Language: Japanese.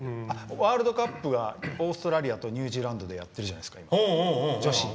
ワールドカップがオーストラリアとニュージーランドでやってるじゃないですか、女子。